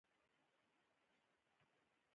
پرته له دې چې د غاړې شاوخوا ډیر قاتونه وي